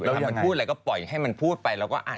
มันพูดอะไรก็ปล่อยให้มันพูดไปเราก็อ่าน